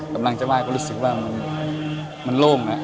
กำลังจะไหว้ก็รู้สึกว่ามันโล่ง